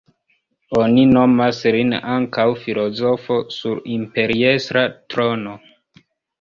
Oni nomas lin ankaŭ "filozofo sur imperiestra trono".